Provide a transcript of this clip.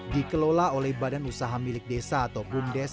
dikelola oleh badan usaha milik desa atau bumdes